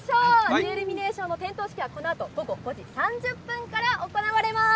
ジュエルミネーションの点灯式はこのあと午後５時３０分から行われます。